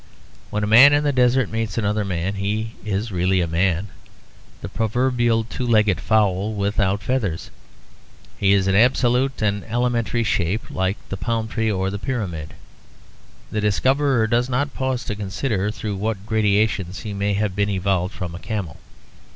When a man in the desert meets another man, he is really a man; the proverbial two legged fowl without feathers. He is an absolute and elementary shape, like the palm tree or the pyramid. The discoverer does not pause to consider through what gradations he may have been evolved from a camel.